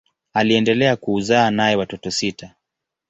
Aliendelea kuzaa naye watoto sita.